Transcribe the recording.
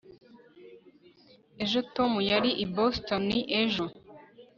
ejo tom yari i boston ejo